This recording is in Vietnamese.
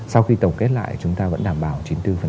sau khi tổng kết lại chúng ta vẫn đảm bảo chín mươi bốn